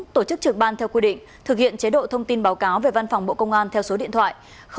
tổ chức trực ban theo quy định thực hiện chế độ thông tin báo cáo về văn phòng bộ công an theo số điện thoại